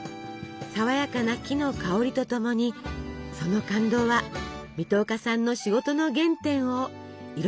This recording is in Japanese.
爽やかな木の香りと共にその感動は水戸岡さんの仕事の原点を彩り続けます。